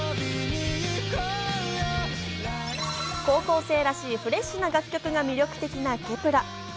高校生らしいフレッシュな楽曲が魅力的なケプラ。